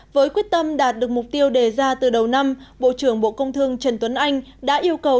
với quyết tâm đạt được mục tiêu đề ra từ đầu năm bộ trưởng bộ công thương trần tuấn anh đã yêu cầu